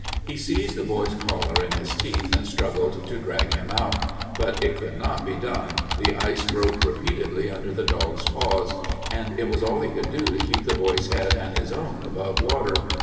He seized the boy's collar in his teeth and struggled to drag him out. But it could not be done. The ice broke repeatedly under the dog's paws, and it was all he could do to keep the boy's head and his own above water.